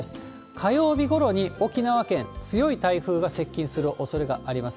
火曜日ごろに沖縄県、強い台風が接近するおそれがあります。